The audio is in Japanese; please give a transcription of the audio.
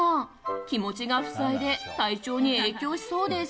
気持ちが塞いで体調に影響しそうです。